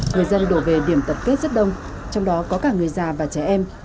người dân đổ về điểm tập kết rất đông trong đó có cả người già và trẻ em